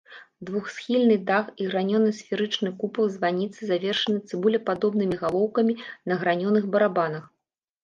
Двухсхільны дах і гранёны сферычны купал званіцы завершаны цыбулепадобнымі галоўкамі на гранёных барабанах.